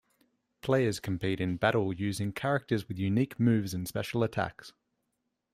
Players compete in battle using characters with unique moves and special attacks.